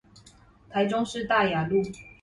台中市大雅路